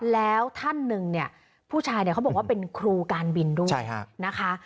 แล้วท่านหนึ่งเนี่ยผู้ชายเนี่ยเขาบอกว่าเป็นครูการบินด้วยนะคะ